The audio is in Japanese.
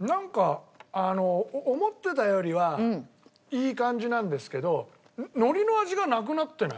なんかあの思ってたよりはいい感じなんですけど海苔の味がなくなってない？